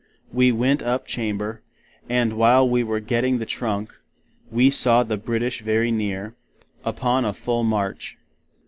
We went up Chamber; and while we were giting the Trunk, we saw the British very near, upon a full March.